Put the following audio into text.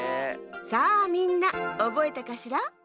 さあみんなおぼえたかしら？